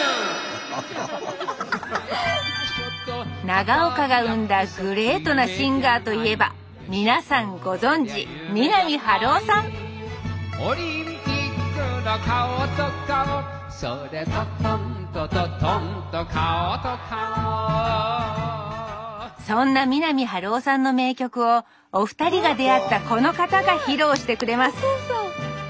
長岡が生んだグレートなシンガーといえば皆さんご存じ三波春夫さんそんな三波春夫さんの名曲をお二人が出会ったこの方が披露してくれます